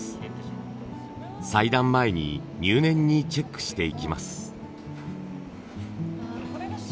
裁断前に入念にチェックしていきます。